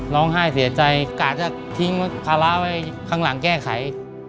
ร้องไห้เสียใจกะจะทิ้งภาระไว้ข้างหลังแก้ไข